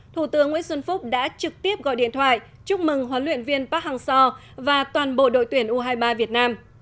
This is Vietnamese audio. thủ tướng nguyễn xuân phúc đã trực tiếp gọi điện thoại chúc mừng huấn luyện viên park hang seo và toàn bộ đội tuyển u hai mươi ba việt nam